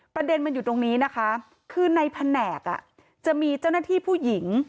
ประเด็นมันอยู่ตรงนี้นะคะคือในแผนกจะมีเจ้าหน้าที่ผู้หญิง